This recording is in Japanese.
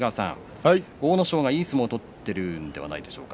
阿武咲が、いい相撲を取っているのではないでしょうか。